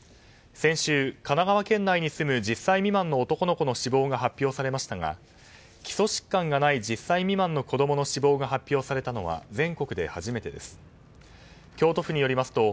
先週、神奈川県内に住む１０歳未満の男の子の死亡が発表されましたが基礎疾患がない１０歳未満の子供の死亡が発表されたのは全国で初めてです。